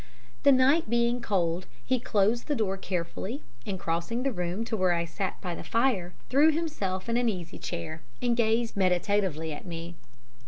The night being cold, he closed the door carefully, and crossing the room to where I sat by the fire, threw himself in an easy chair, and gazed meditatively at me.